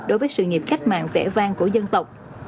đối với sự nghiệp cách mạng vẽ vang của dân tộc